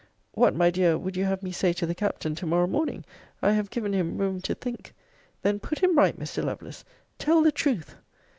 What, my dear, would you have me say to the Captain to morrow morning? I have given him room to think Then put him right, Mr. Lovelace. Tell the truth.